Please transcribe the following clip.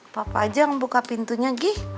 papa aja yang buka pintunya gih